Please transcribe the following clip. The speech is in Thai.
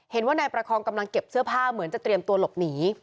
เห็นว่านายประคองกำลังเก็บเสื้อผ้าเหมือนจะเตรียมตัวหลบหนี